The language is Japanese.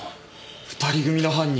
２人組の犯人